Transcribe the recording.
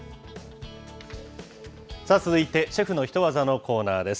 さあ、続いてシェフのヒトワザのコーナーです。